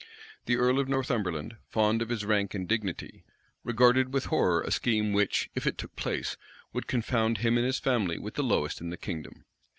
The earl of Northumberland, fond of his rank and dignity, regarded with horror a scheme which, if it took place, would confound him and his family with the lowest in the kingdom.